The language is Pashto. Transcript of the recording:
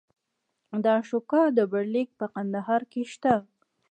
د اشوکا ډبرلیک په کندهار کې شته